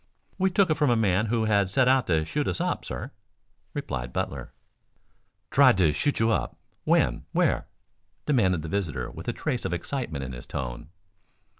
"We took it from a man who had set out to shoot us up, sir," replied Butler. "Tried to shoot you up? When? Where?" demanded the visitor with a trace of excitement in his tone.